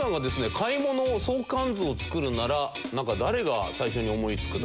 買い物相関図を作るなら誰が最初に思いつくと。